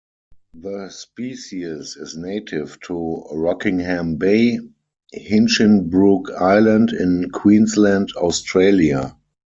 The species is native to Rockingham Bay, Hinchinbrook Island in Queensland, Australia.